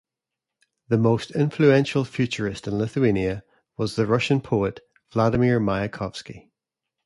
The most influential futurist in Lithuania was the Russian poet Vladimir Mayakovsky.